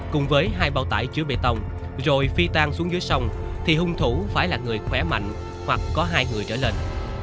cùng với hai bao tải chứa bê tông rồi phi tan xuống dưới sông thì hung thủ phải là người khỏe mạnh hoặc có hai người trở lên